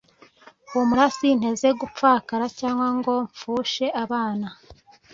humura sinteze gupfakara, cyangwa ngo mpfushe abana.»